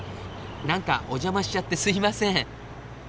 なんかお邪魔しちゃってすいません。